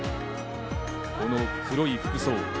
この黒い服装。